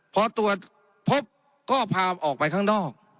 พอตรวจพบก็พาออกไปข้างนอก